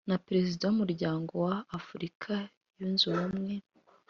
na perezida w umuryango wa afurika yunze ubumwe